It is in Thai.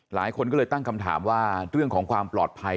หลายคนก็เลยตั้งคำถามว่าเรื่องของความปลอดภัย